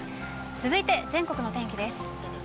続いて全国の天気です。